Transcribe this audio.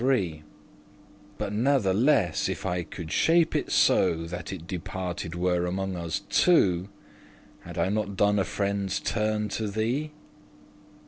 *divided But natheless, if I could shape* it so *contrive That it departed were among us two, Had I not done a friende's turn to thee?"